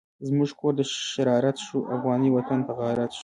زمونږ کور دشرارت شو، افغانی وطن غارت شو